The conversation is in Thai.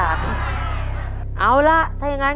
ตัวเลือกที่สอง๘คน